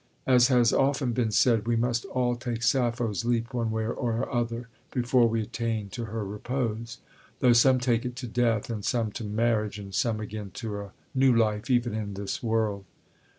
As has often been said, we must all take Sappho's leap, one way or other, before we attain to her repose though some take it to death, and some to marriage, and some again to a new life even in this world.